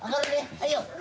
はいよ。